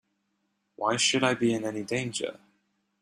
Why should I be in any danger?